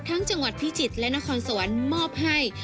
จังหวัดพิจิตรและนครสวรรค์มอบให้